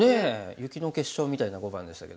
雪の結晶みたいな碁盤でしたけども。